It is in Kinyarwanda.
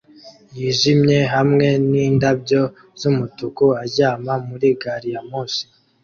yijimye hamwe nindabyo zumutuku aryama muri gari ya moshi